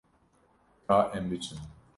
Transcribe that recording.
Ka em biçin.